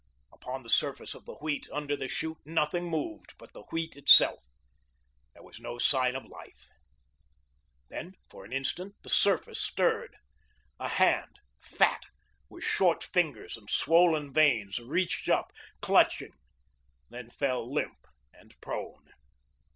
Upon the surface of the Wheat, under the chute, nothing moved but the Wheat itself. There was no sign of life. Then, for an instant, the surface stirred. A hand, fat, with short fingers and swollen veins, reached up, clutching, then fell limp and prone.